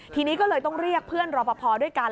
ทีนี้ก็เลยต้องเรียกเพื่อนรอปภด้วยกัน